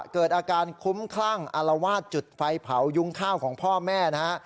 เกิดอาการคุ้มคลั่งอารวาสจุดไฟเผายุ้งข้าวของพ่อแม่นะฮะ